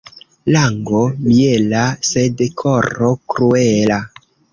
Lango miela, sed koro kruela.